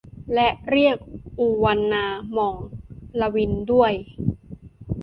และเรียก อูวันนา หม่อง ลวิน ด้วย